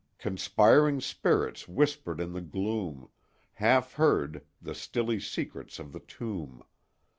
"Conspiring spirits whispered in the gloom, Half heard, the stilly secrets of the tomb.